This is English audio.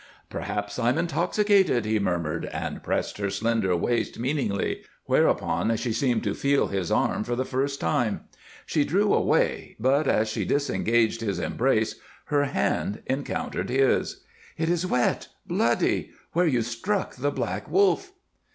"Perhaps I'm intoxicated," he murmured, and pressed her slender waist meaningly; whereupon she seemed to feel his arm for the first time. She drew away, but as she disengaged his embrace her hand encountered his. "It is wet bloody where you struck the Black Wolf."